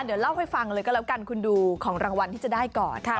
เดี๋ยวเล่าให้ฟังเลยก็แล้วกันคุณดูของรางวัลที่จะได้ก่อน